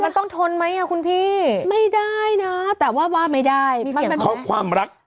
เพราะนางสาวบีเนี่ยยืมรถจักรยานยนต์ของแฟนหนุ่ม